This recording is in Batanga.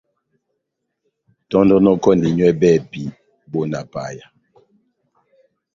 Tɔndonokɔni nywɛ bɛhɛpi bona paya.